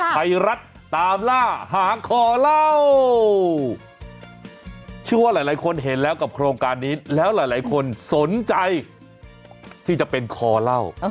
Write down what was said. ไทยรัฐตามล่าหาคอเล่าเชื่อว่าหลายคนเห็นแล้วกับโครงการนี้แล้วหลายคนสนใจที่จะเป็นคอเล่า